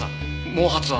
毛髪は？